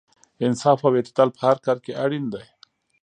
انصاف او اعتدال په هر کار کې اړین دی.